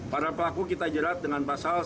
para pelaku kita jerat dengan pasal satu ratus